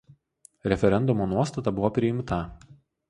Referendumo nuostata buvo priimta.